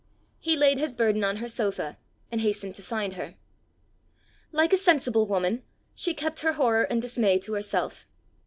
He laid his burden on her sofa, and hastened to find her. Like a sensible woman she kept her horror and dismay to herself.